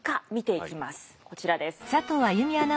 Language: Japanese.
こちらです。